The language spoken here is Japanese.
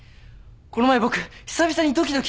この前僕久々にドキドキしたから。